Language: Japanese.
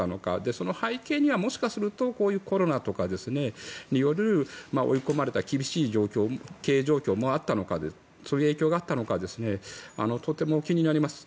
その背景には、もしかするとこういうコロナとかによる追い込まれた厳しい経営状況もあったのかそういう影響があったのかとても気になります。